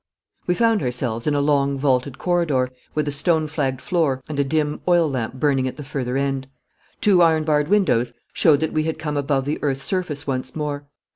We found ourselves in a long vaulted corridor, with a stone flagged floor, and a dim oil lamp burning at the further end. Two iron barred windows showed that we had come above the earth's surface once more.